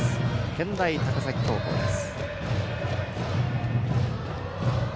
健大高崎高校です。